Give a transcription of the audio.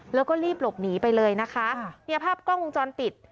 แล้วก็รีบหลบหนีไปเลยนะคะเนี่ยภาพกล้องวงจรปิด